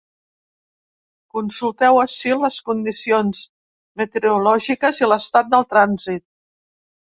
Consulteu ací les condicions meteorològiques i l’estat del trànsit.